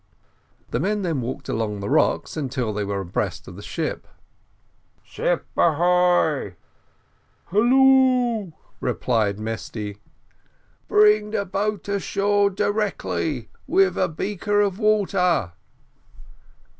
The men then walked along the rocks until they were abreast of the ship. "Ship ahoy!" "Halloo," replied Mesty. "Bring the boat ashore directly, with a breaker of water."